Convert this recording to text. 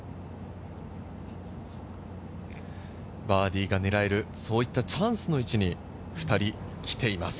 バーディーが狙える、そういったチャンスの位置に２人来ています。